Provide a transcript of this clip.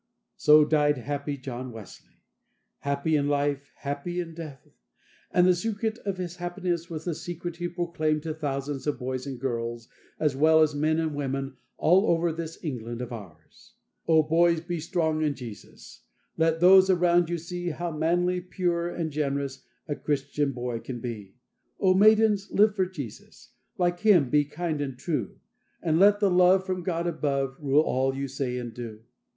So died happy John Wesley. Happy in life, happy in death. And the secret of his happiness was the secret he proclaimed to thousands of boys and girls, as well as men and women, all over this England of ours. "O boys, be strong in Jesus; Let those around you see How manly, pure, and generous, A Christian boy can be. "O maidens, live for Jesus, Like Him, be kind and true; And let the love from God above Rule all you say and do.